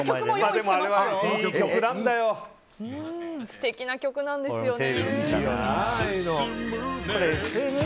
素敵な曲なんですよね。